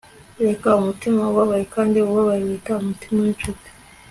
reka umutima ubabaye kandi ubabaye wita umutima winshuti